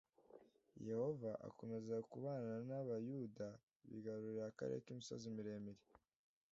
yehova akomeza kubana n'abayuda bigarurira akarere k'imisozi miremire